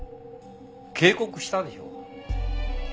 警告したでしょ。